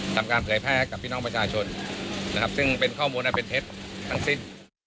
ทำการเผยแพร่ให้กับพี่น้องประชาชนนะครับซึ่งเป็นข้อมูลอันเป็นเท็จทั้งสิ้น